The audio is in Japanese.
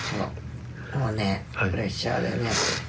もうねプレッシャーでね